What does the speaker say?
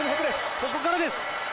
ここからです。